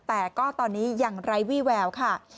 แต่ก็ตอนนี้ยังไร้วี่แววค่ะ